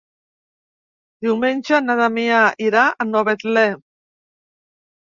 Diumenge na Damià irà a Novetlè.